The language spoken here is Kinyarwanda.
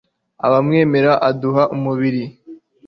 abamwemera; aduha umubiri